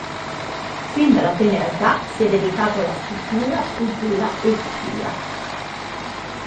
Fin dalla tenera età si è dedicato alla scrittura, scultura e pittura.